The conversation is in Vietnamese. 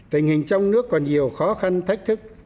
tình hình trong nước còn nhiều khó khăn thách thức